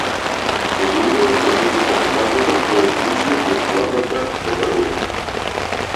Ќе ве изведат пред лицето на правдата то ест лично пред главната бабарога!